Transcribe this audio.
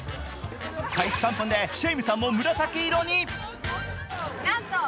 開始３分でシェイミさんも紫色に。